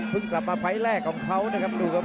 กลับมาไฟล์แรกของเขานะครับดูครับ